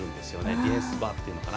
ディフェンスバーっていうのかな。